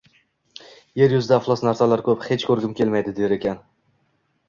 Yer yuzida iflos narsalar ko‘p, hech ko‘rgim kelmaydi der ekan.